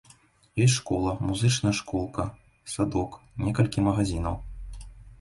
Ёсць школа, музычная школка, садок, некалькі магазінаў.